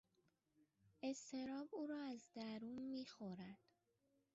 اضطراب او را از درون میخورد.